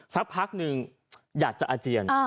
สักพักหนึ่งอยากจะอาเจียน